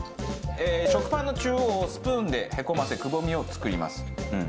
食パンの中央をスプーンでへこませくぼみを作ります。